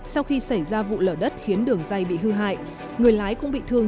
sau khi xảy ra vụ lở đất khiến đường dây bị hư hại người lái cũng bị thương